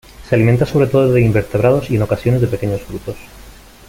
Se alimenta sobre todo de invertebrados y en ocasiones de pequeños frutos.